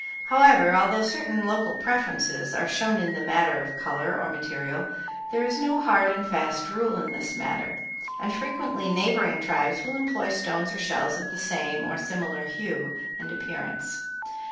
However, although certain local preferences are shown in the matter of color or material, there is no hard and fast rule in this matter, and frequently neighboring tribes will employ stones or shells of the same or similar hue and appearance.